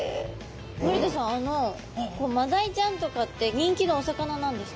森田さんマダイちゃんとかって人気のお魚なんですか？